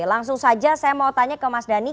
langsung saja saya mau tanya ke mas dhani